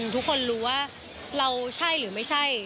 ทุกคนรู้ว่าเราใช่หรือไม่ใช่